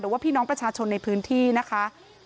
ว่าพี่น้องประชาชนในพื้นที่นะคะ